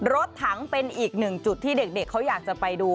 รถถังเป็นอีกหนึ่งจุดที่เด็กเขาอยากจะไปดู